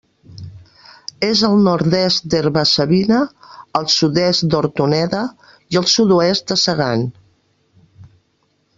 És al nord-est d'Herba-savina, al sud-est d'Hortoneda, i al sud-oest de Segan.